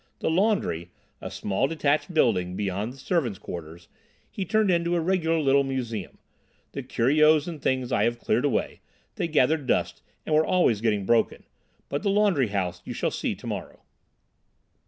The laundry—a small detached building beyond the servants' quarters—he turned into a regular little museum. The curios and things I have cleared away—they collected dust and were always getting broken—but the laundry house you shall see tomorrow."